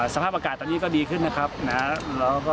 สภาพอากาศตอนนี้ก็ดีขึ้นนะครับ